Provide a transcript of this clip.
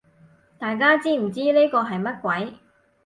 大家知唔知呢個係乜鬼